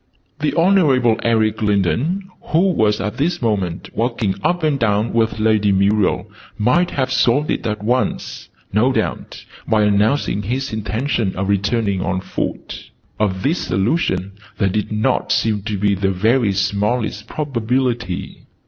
The Honorable Eric Lindon, who was at this moment walking up and down with Lady Muriel, might have solved it at once, no doubt, by announcing his intention of returning on foot. Of this solution there did not seem to be the very smallest probability.